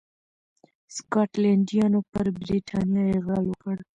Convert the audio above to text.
سکاټلنډیانو پر برېټانیا یرغل وکړ.